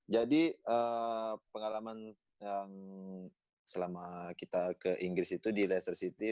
jadi pengalaman yang selama kita ke inggris itu di leicester city